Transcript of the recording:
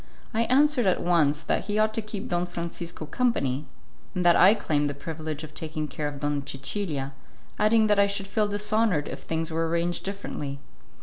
I answered at once that he ought to keep Don Francisco company, and that I claimed the privilege of taking care of Donna Cecilia, adding that I should feel dishonoured if things were arranged differently.